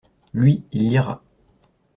Lui, il lira.